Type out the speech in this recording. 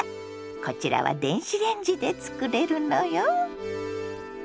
こちらは電子レンジで作れるのよ。